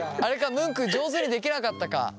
ムンク上手にできなかったか？